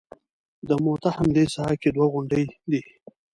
د موته همدې ساحه کې دوه غونډۍ دي.